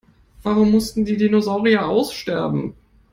Warum mussten die Dinosaurier aussterben?